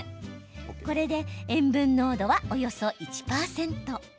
これで塩分濃度はおよそ１％。